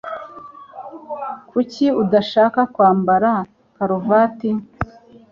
Kuki udashaka kwambara karuvati?